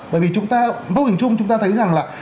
bởi vì chúng ta vô hình chung chúng ta thấy rằng là